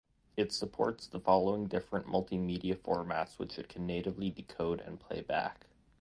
It supports the following different multimedia formats which it can natively decode and playback.